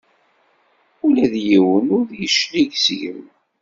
Ula d yiwen ur d-yeclig seg-m.